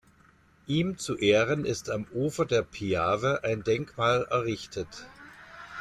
Ihm zu Ehren ist am Ufer der Piave ein Denkmal errichtet.